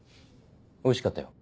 おいしかったよ。